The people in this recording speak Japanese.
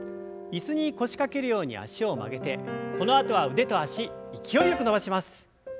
椅子に腰掛けるように脚を曲げてこのあとは腕と脚勢いよく伸ばします。